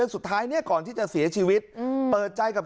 เรามาไล่เลียว่าวันนี้ใครแสดงความเสียใจบ้าง